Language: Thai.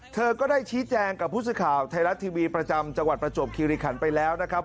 เธอก็ได้ชี้แจงกับผู้สื่อข่าวไทยรัฐทีวีประจำจังหวัดประจวบคิริขันไปแล้วนะครับ